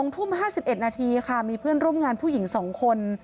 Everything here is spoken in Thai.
๒ทุ่ม๕๑นาทีค่ะมีเพื่อนร่วมงานผู้หญิง๒คน